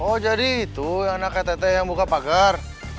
oh jadi itu anaknya tete yang buka pagar